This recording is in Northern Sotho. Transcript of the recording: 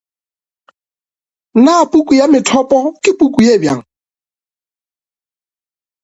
Na puku ya methopo ke puku ye bjang?